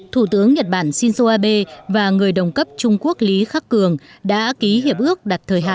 thủ tướng nhật bản shinzo abe và người đồng cấp trung quốc lý khắc cường đã ký hiệp ước đặt thời hạn